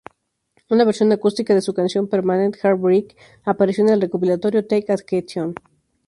Una versión acústica de su canción "Permanent Heartbreak" apareció en el recopilatorio "Take Action!